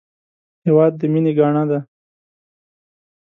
هېواد د مینې ګاڼه ده